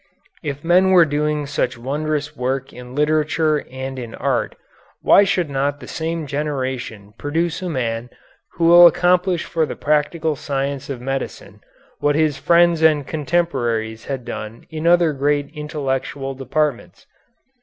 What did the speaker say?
If men were doing such wondrous work in literature and in art, why should not the same generation produce a man who will accomplish for the practical science of medicine what his friends and contemporaries had done in other great intellectual departments.